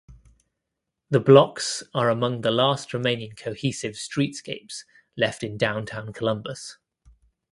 The blocks are among the last remaining cohesive streetscapes left in downtown Columbus.